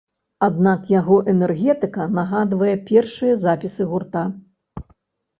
Аднак яго энергетыка нагадвае першыя запісы гурта.